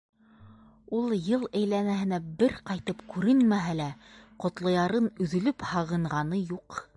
Ул йыл әйләнәһенә бер ҡайтып күренмәһә лә, Ҡотлоярын өҙөлөп һағынғаны юҡ.